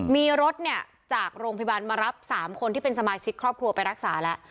มีรถเนี่ยจากโรงพยาบาลมารับ๓คนที่เป็นสมาชิกครอบครัวไปรักษาแล้ว